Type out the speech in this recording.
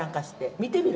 見てみる？